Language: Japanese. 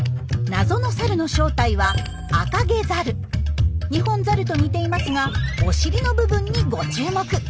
謎のサルの正体はニホンザルと似ていますがお尻の部分にご注目。